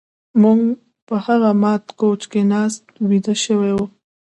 موږ په هغه مات کوچ کې ناست ویده شوي وو